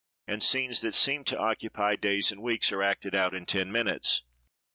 and scenes that seem to occupy days and weeks, are acted out in ten minutes.